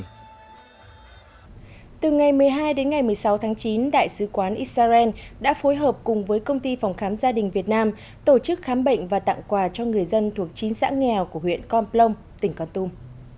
từ ngày một mươi hai đến ngày một mươi sáu tháng chín đại sứ quán israel đã phối hợp cùng với công ty phòng khám gia đình việt nam tổ chức khám bệnh và tặng quà cho người dân thuộc chín xã nghèo của huyện con plong tỉnh con tum